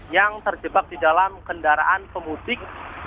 yang terjebak di dalam kendaraan pemudik